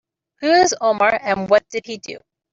Who is Omar and what did he do?